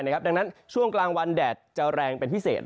ดังนั้นช่วงกลางวันแดดจะแรงเป็นพิเศษ